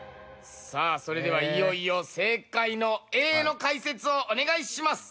さあそれではいよいよ正解のＡの解説をお願いします。